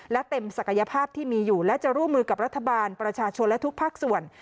และเต็มศักยภาพที่มีอยู่และจะร่วมมือกับรัฐบาลประชาชนและทุกภาคส่วน